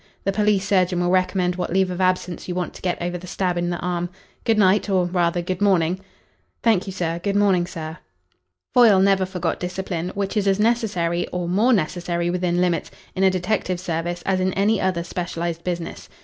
The police surgeon will recommend what leave of absence you want to get over the stab in the arm. Good night or rather, good morning." "Thank you, sir. Good morning, sir." Foyle never forgot discipline, which is as necessary, or more necessary within limits, in a detective service as in any other specialised business.